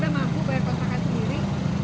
emang lo udah mampu bayar kontrakan sendiri